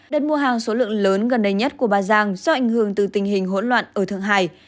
đợt mua hàng số lượng lớn gần đây nhất của ba giang do ảnh hưởng từ tình hình hỗn loạn ở thượng hải